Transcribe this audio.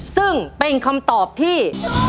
ซึ่งเป็นคำตอบที่